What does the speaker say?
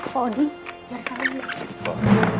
pondi biar saya bantu